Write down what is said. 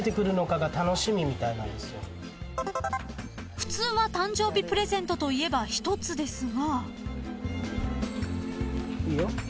［普通は誕生日プレゼントといえば１つですが］